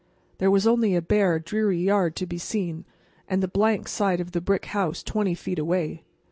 There was only a bare, dreary yard to be seen, and the blank side of the brick house twenty feet away.